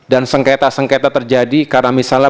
dan sengketa sengketa terjadi karena misalnya